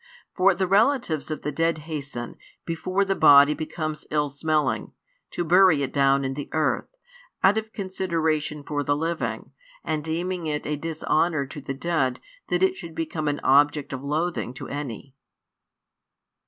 For the relatives of the dead hasten, before the body becomes ill smelling, to bury it down in the earth, out of consideration for the living, and deeming it a dishonour to the dead that it should become an object of loathing to any.